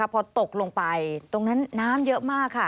พอตกลงไปตรงนั้นน้ำเยอะมากค่ะ